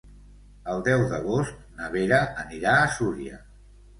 El deu d'agost na Vera anirà a Súria.